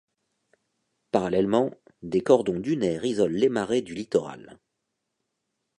Parallèlement, des cordons dunaires isolent les marais du littoral.